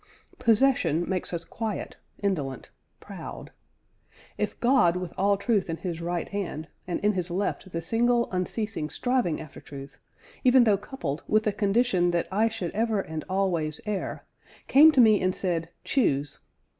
Possession makes us quiet, indolent, proud.... If God with all truth in His right hand, and in His left the single, unceasing striving after truth, even though coupled with the condition that I should ever and always err, came to me and said, 'Choose!'